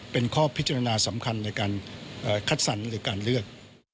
เป็นข้อพิจารณาสำคัญในการคัดสรรหรือการเลือก